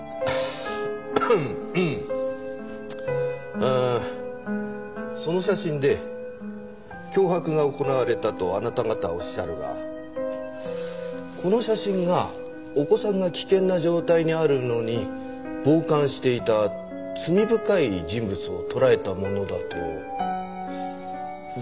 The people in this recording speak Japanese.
ああその写真で脅迫が行われたとあなた方はおっしゃるがこの写真がお子さんが危険な状態にあるのに傍観していた罪深い人物を捉えたものだと誰が証明するんでしょう？